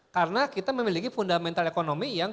karena kita memiliki fundamental ekonomi yang